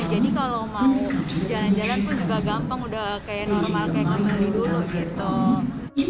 jadi kalau mau jalan jalan pun juga gampang udah kayak normal kayak kembali dulu gitu